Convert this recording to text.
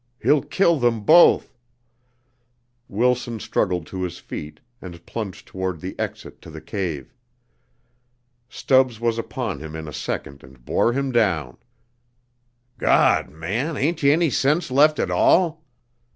He'll kill them both " Wilson struggled to his feet and plunged towards the exit to the cave. Stubbs was upon him in a second and bore him down. "Gawd, man, h'ain't yer any sense left at all?"